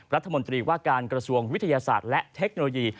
รัฐมนตรีว่าการกระทรวงวิทยาศาสตร์และเทคโนโลยี